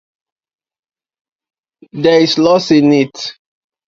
There's loss in it.